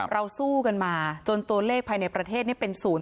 เราสู้กันมาจนตัวเลขภายในประเทศเป็นศูนย์